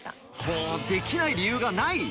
ほぉ「できない理由がない」